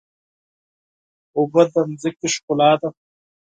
اوبه د ځمکې ښکلا ده.